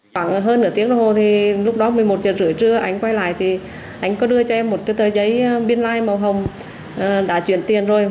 khoảng hơn nửa tiếng lâu thì lúc đó một mươi một h ba mươi trưa anh quay lại thì anh có đưa cho em một cái tờ giấy biên lai màu hồng đã chuyển tiền rồi